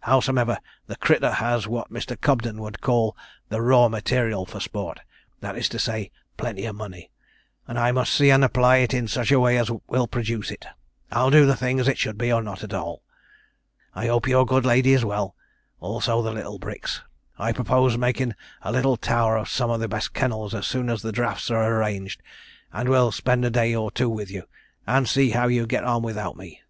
Howsomever the crittur has what Mr. Cobden would call the "raw material" for sport that is to say, plenty of money and I must see and apply it in such a way as will produce it. I'll do the thing as it should be, or not at all. 'I hope your good lady is well also all the little Bricks. I purpose making a little tower of some of the best kennels as soon as the drafts are arranged, and will spend a day or two with you, and see how you get on without me.